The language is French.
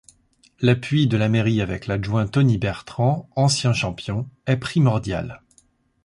L'appui de la Mairie avec l'adjoint Tony Bertrand, ancien champion, est primordial.